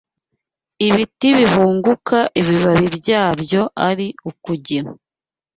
Ibiti bihunguka ibibabi byabyo ari ukugira